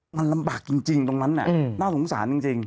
มันลำบากจริงจริงตรงนั้นน่าสมสารจริง